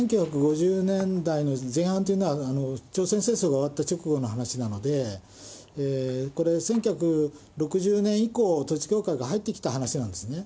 １９５０年代の前半というのは、朝鮮戦争が終わった直後の話なので、これ、１９６０年以降、統一教会が入ってきた話なんですね。